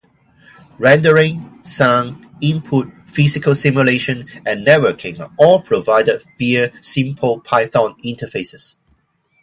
Rendering, sound, input, physical simulation, and networking are all provided via simple Python interfaces.